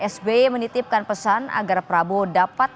sby menitipkan pesan agar prabowo dapat